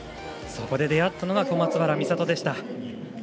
そこで出会ったのが小松原美里でした。